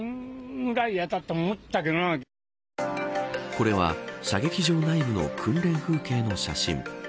これは、射撃場内部の訓練風景の写真。